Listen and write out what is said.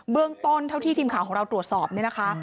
เรื่องต้นเท่าที่ทีมข่าวของเราตรวจสอบเนี่ยนะคะ